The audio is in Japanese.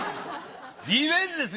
リベンジです